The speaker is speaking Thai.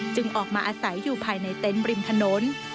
ออกมาอาศัยอยู่ภายในเต็นต์ริมถนน